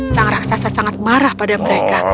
sang raksasa sangat marah pada mereka